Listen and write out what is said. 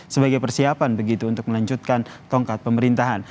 sebagai persiapan begitu untuk melanjutkan tongkat pemerintahan